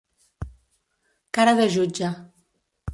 Cara de jutge.